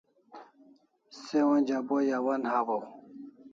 Se onja bo yawan hawaw